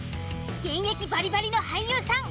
現役バリバリの俳優さん